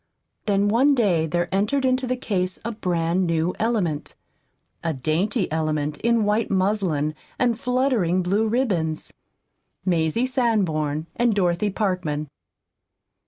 Then one day there entered into the case a brand new element, a dainty element in white muslin and fluttering blue ribbons Mazie Sanborn and Dorothy Parkman.